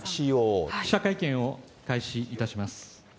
記者会見を開始いたします。